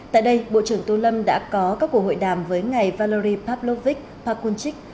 tại đây bộ trưởng tô lâm đã có các cuộc hội đàm với ngài valery pavlovich pakunchik